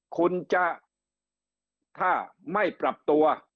คุณจะถ้าไม่ปรับตัว